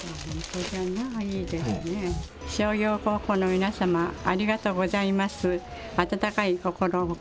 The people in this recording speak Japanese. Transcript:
商業高校の皆様、ありがとうございます。